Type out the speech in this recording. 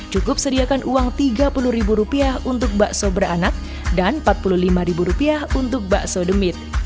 cukup sediakan uang rp tiga puluh untuk bakso beranak dan rp empat puluh lima untuk bakso demit